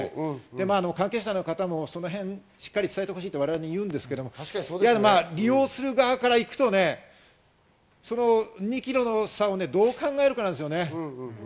関係者の方もそのへんしっかり伝えてほしいと我々に言うんですけど、利用する側から言うとね、その２ｋｍの差をどう考えるかなんですね。